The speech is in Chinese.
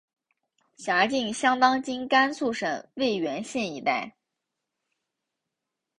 辖境相当今甘肃省渭源县一带。